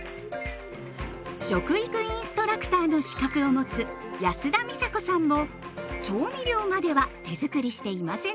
食育インストラクターの資格を持つ安田美沙子さんも調味料までは手づくりしていませんでした。